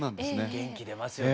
元気出ますよね。